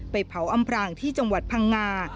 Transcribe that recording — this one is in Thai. เผาอำพรางที่จังหวัดพังงา